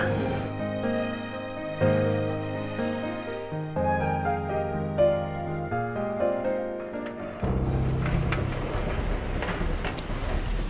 kita lagi mulai dari rumah